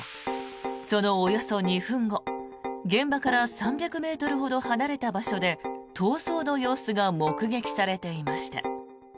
そのおよそ２分後、現場から３００ｍほど離れた場所で逃走の様子が目撃されていました。